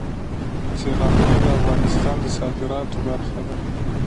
سیلابونه د افغانستان د صادراتو برخه ده.